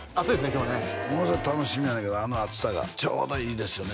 今日ねものすごい楽しみやねんけどあの熱さがちょうどいいですよね